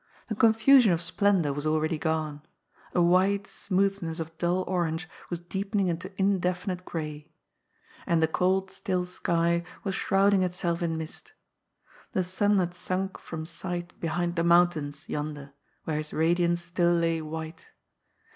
The confusion of splendour was already gone; a wide smoothness of dull orange was deepening into indefinite gray. And the cold, still sky was shrouding itself in mist. The sun had sunk from sight behind the mountains, yonder, where his radiance still lay white.